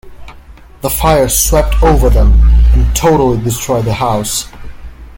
The fire swept over them and totally destroyed the house.